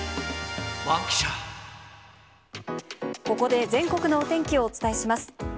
ここで全国のお天気をお伝えします。